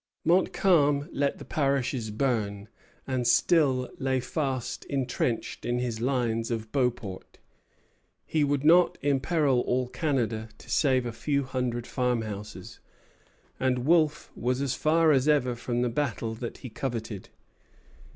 Montcalm let the parishes burn, and still lay fast intrenched in his lines of Beauport. He would not imperil all Canada to save a few hundred farmhouses; and Wolfe was as far as ever from the battle that he coveted.